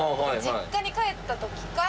実家に帰った時か。